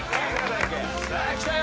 さあきたよ